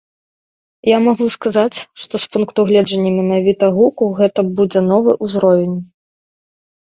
Я магу сказаць, што з пункту гледжання менавіта гуку гэта будзе новы ўзровень.